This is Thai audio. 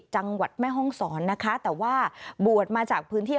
จังหวัดแม่ห้องศรนะคะแต่ว่าบวชมาจากพื้นที่